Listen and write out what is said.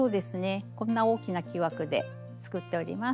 こんな大きな木枠で作っております。